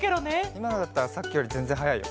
いまのだったらさっきよりぜんぜんはやいよ。